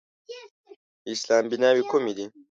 د اسلام بیناوې کومې دي؟